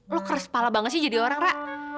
lo kerespala banget sih jadi orang ra